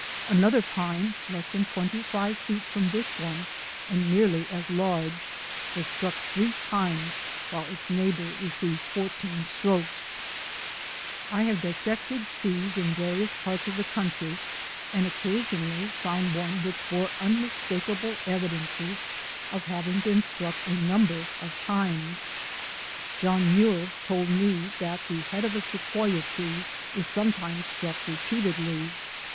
Another pine, less than twenty five feet from this one and nearly as large, was struck three times while its neighbour received fourteen strokes. I have dissected trees in various parts of the country and occasionally found one which bore un mistakable evidences of having been struck a num ber of times. John Muir told me that the head of a sequoia tree is sometimes struck repeatedly.